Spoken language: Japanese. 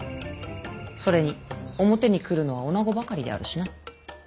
それに表に来るのは女ばかりであるしな。